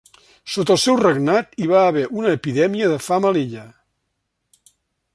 Sota el seu regnat hi va haver una epidèmia de fam a l'illa.